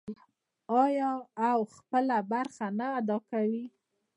آیا او خپله برخه نه ادا کوي؟